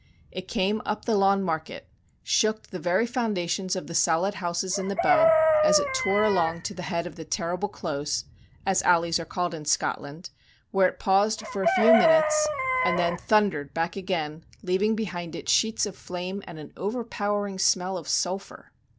It came up the Lawn Market, shook the very foundations of the solid houses in the Bow, as it tore along to the head of the terrible close, as alleys are called in Scotland, where it paused for a few minutes, and then thundered back again, leaving behind it sheets of flame and an overpowering smell of sulphur.